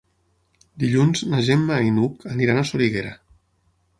Dilluns na Gemma i n'Hug aniran a Soriguera.